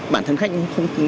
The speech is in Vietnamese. bản thân khách cũng không